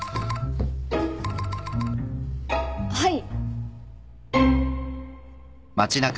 はい。